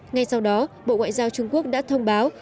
ngay sau đó bộ ngoại giao trung quốc đã thông báo